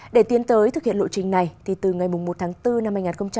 để tiến tới thực hiện lộ trình này từ ngày một tháng bốn năm hai nghìn hai mươi bốn